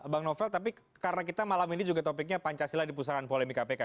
bang novel tapi karena kita malam ini juga topiknya pancasila di pusaran polemik kpk